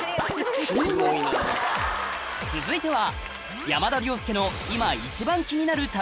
続いては